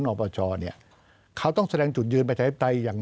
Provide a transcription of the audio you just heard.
อปชเนี่ยเขาต้องแสดงจุดยืนประชาธิปไตยอย่าง